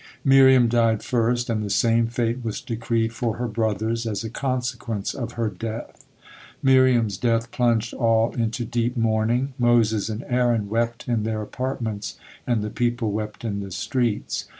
Miriam died first, and the same fate was decreed for her brothers as a consequence of her death. Miriam's death plunged all into deep mourning, Moses and Aaron wept in their apartments and the people wept in the streets.